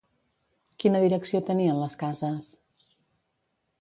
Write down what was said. Quina direcció tenien les cases?